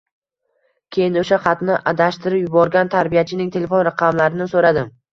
Keyin o`sha xatni adashtirib yuborgan tarbiyachining telefon raqamlarini so`radim